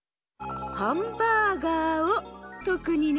ハンバーガーをとくにね。